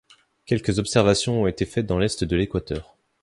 Quelques observations ont été faites dans l’est de l’Équateur.